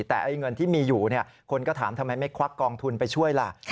แต่เงินที่มีอยู่คนก็ถามทำไมไม่ควักกองทุนไปช่วยล่ะ